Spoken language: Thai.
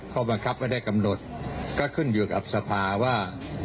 ข้อบังคับก็ได้กำหนดก็ขึ้นอยู่กับสภาว่า